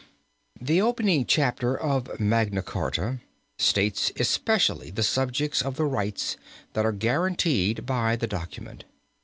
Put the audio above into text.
The opening chapter of Magna Charta states especially the subjects of the rights that are guaranteed by the document.